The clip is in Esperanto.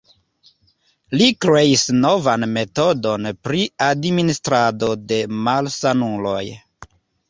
Li kreis novan metodon pri administrado de malsanuloj.